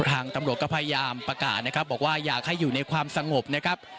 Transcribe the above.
ทางตำรวจก็พยายามประกาศนะครับบอกว่าอยากให้อยู่ในความสงบนะครับ